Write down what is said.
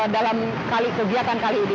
dalam kegiatan kali ini